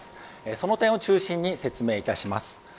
その点を中心に説明いたします。